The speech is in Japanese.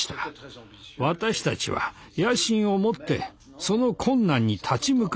私たちは野心を持ってその困難に立ち向かったのです。